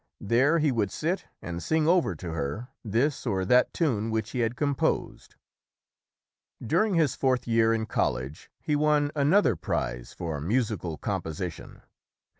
There he would sit and sing over to her this or that tune which he had composed. During his fourth year in college, he won an other prize for musical composition.